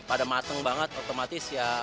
pada mateng banget otomatis ya